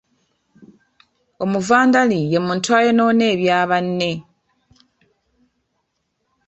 Omuvandali ye muntu ayonoona ebya banne.